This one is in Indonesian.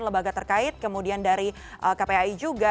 lembaga terkait kemudian dari kpai juga